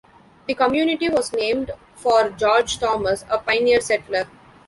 The community was named for George Thomas, a pioneer settler.